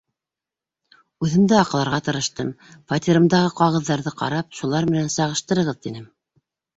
Үҙемде аҡларға тырыштым, фатирымдағы ҡағыҙҙарҙы ҡарап, шулар менән сағыштырығыҙ, тинем.